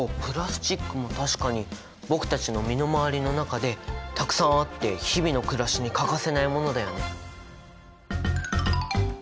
プラスチックも確かに僕たちの身の回りの中でたくさんあって日々のくらしに欠かせないものだよね。